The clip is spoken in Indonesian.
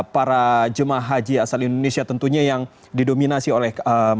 para jemaah haji asal indonesia tentunya yang didominasi oleh